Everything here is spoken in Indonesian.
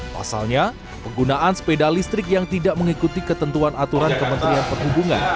pasalnya penggunaan sepeda listrik yang tidak mengikuti ketentuan aturan kementerian perhubungan